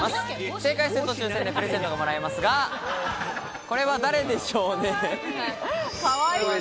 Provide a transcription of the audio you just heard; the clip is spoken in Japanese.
正解すると抽選でプレゼントがもらえますが、これは誰でしょうね。